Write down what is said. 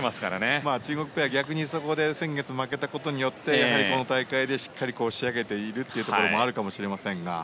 中国ペア、逆にそこで先月負けたことによってやはりこの大会でしっかり仕上げているというところはあるかもしれませんが。